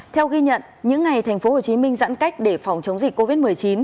theo ghi nhận những ngày tp hcm giãn cách để phòng chống dịch covid một mươi chín